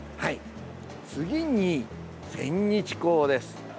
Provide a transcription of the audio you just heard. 次に千日紅です。